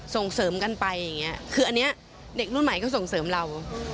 ส่งเสริมกันไปอย่างนี้คืออันนี้เด็กรุ่นใหม่ก็ส่งเสริมเรา